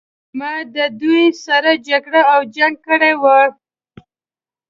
ما د دوی سره جګړه او جنګ کړی وای.